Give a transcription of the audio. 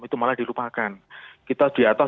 itu malah dilupakan kita di atas